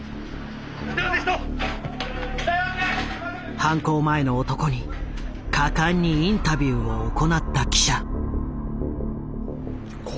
犯行前の男に果敢にインタビューを行った記者。